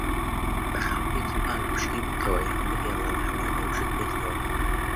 بە خاولیەکی پاک وشکی بکەوە یان بهێڵە لەهەوادا وشک ببێتەوە.